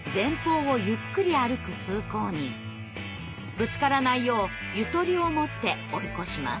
ぶつからないようゆとりを持って追い越します。